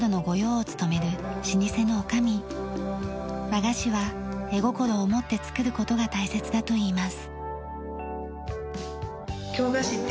和菓子は絵心を持って作る事が大切だといいます。